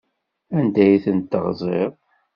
Anda ay tent-teɣziḍ?